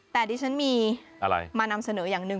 แต่ดิฉันมีอะไรมานำเสนออย่างหนึ่ง